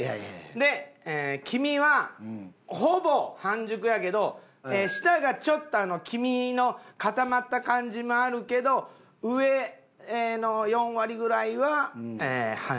で黄身はほぼ半熟やけど下がちょっと黄身の固まった感じもあるけど上の４割ぐらいは半熟。